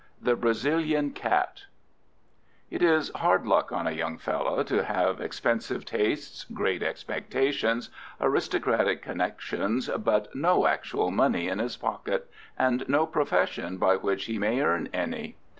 THE BRAZILIAN CAT It is hard luck on a young fellow to have expensive tastes, great expectations, aristocratic connections, but no actual money in his pocket, and no profession by which he may earn any.